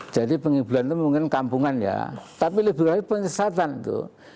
jadi penghiburan itu mungkin kampungan ya tapi lebih baik penyesatan itu